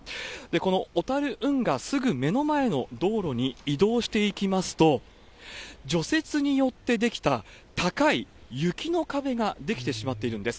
この小樽運河すぐ目の前の道路に移動していきますと、除雪によって出来た高い雪の壁が出来てしまっているんです。